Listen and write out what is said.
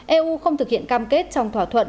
eu không thực hiện cam kết trong thỏa thuận